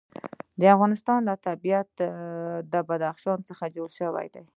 د افغانستان طبیعت له بدخشان څخه جوړ شوی دی.